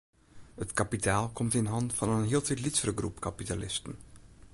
It kapitaal komt yn hannen fan in hieltyd lytsere groep kapitalisten.